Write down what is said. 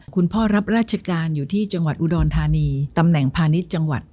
คุณพ่อรับราชการอยู่ที่จังหวัดอุดรธานีตำแหน่งพาณิชย์จังหวัด